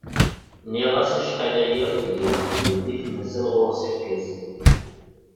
Nniɣ-as acḥal aya belli taqbaylit mazal ɣur-s irgazen